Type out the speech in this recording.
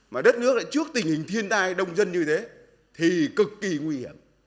mà đất nước lại trước tình hình thiên tai đông dân như thế thì cực kỳ nguy hiểm